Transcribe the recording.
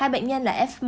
hai bệnh nhân là f một